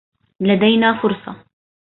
لدينا فرصة.